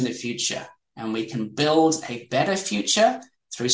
dan kita bisa membangun masa depan yang lebih baik